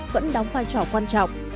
vẫn đóng vai trò quan trọng